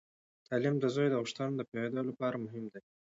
تعلیم د زوی د غوښتنو د پوهیدو لپاره مهم دی.